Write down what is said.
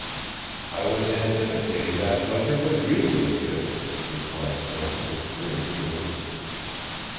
"I was anticipating that pleasure with you, M'seur," replied Jean with grim humor.